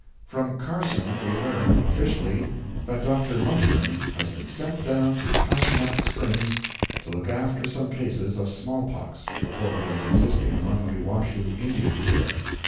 —From Carson we learn, officially, that Dr. Munckton has been sent down to Pine Nut Springs to look after some cases of small pox, reported as existing among the Washoe Indians there.